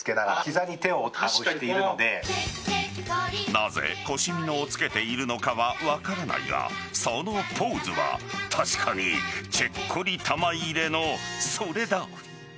なぜ腰みのをつけているのかは分からないがそのポーズは確かにチェッコリ玉入れのそれだ。